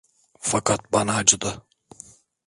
Fakat bana acıdı…